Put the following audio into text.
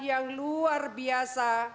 yang luar biasa